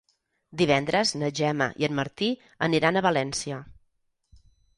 Divendres na Gemma i en Martí aniran a València.